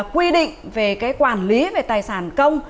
quy định về cái quản lý về tài sản công